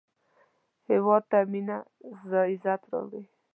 هېواد ته مینه عزت راوړي